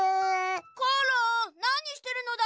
コロンなにしてるのだ？